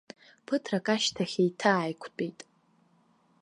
Ԥыҭрак ашьҭахь еиҭааиқәтәеит.